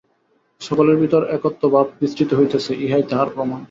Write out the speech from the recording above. সকলের ভিতর একত্ব-ভাব বিস্তৃত হইতেছে, ইহাই তাহার প্রমাণ।